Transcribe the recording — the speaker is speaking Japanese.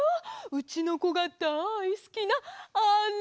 うちのこがだいすきなあれ！